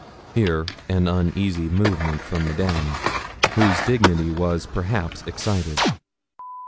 Here an uneasy movement from Madame, whose dignity was perhaps excited.